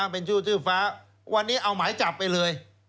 เป็นชื่อชื่อฟ้าวันนี้เอาหมายจับไปเลย